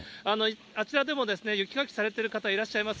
あちらでも雪かきされている方いらっしゃいます。